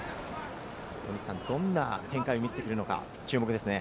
どんな展開を見せてくれるのか注目ですね。